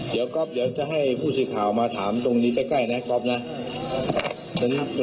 เดี๋ยวก็อยากจะให้ผู้สินค้ามาถามตรงนี้จะใกล้นะครอบเนี่ย